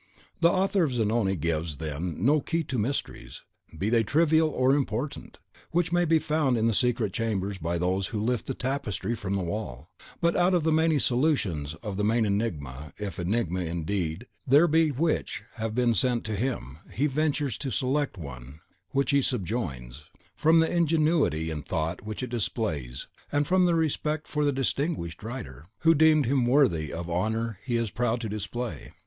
The author of Zanoni gives, then, no key to mysteries, be they trivial or important, which may be found in the secret chambers by those who lift the tapestry from the wall; but out of the many solutions of the main enigma if enigma, indeed, there be which have been sent to him, he ventures to select the one which he subjoins, from the ingenuity and thought which it displays, and from respect for the distinguished writer (one of the most eminent our time has produced) who deemed him worthy of an honour he is proud to display.